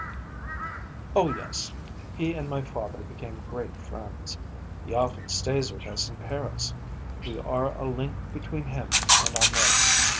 "Oh yes. He and my father became great friends. He often stays with us in Paris. We are a link between him and Ahmed.